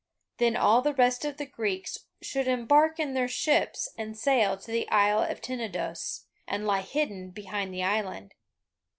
Then all the rest of the Greeks should embark in their ships and sail to the Isle of Tenedos, and lie hidden behind the island.